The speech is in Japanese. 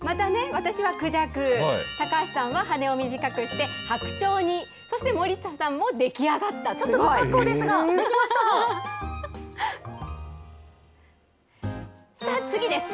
私はクジャク、たかはしさんは羽を短くして白鳥に、そして森下さんも出来上がっちょっと不格好ですが、出来さあ、次です。